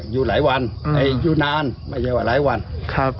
อยู่หลายวันแต่อยู่นานไม่ใช่ว่าหลายวันครับ